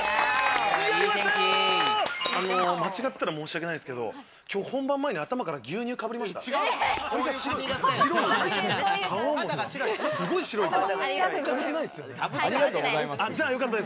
間違ったら申し訳ないですけど、今日本番前に頭から牛乳かぶりました？